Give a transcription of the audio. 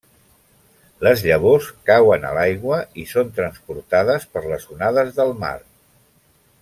Les llavors cauen a l'aigua i són transportades per les onades del mar.